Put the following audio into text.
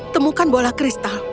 temukan bola kristal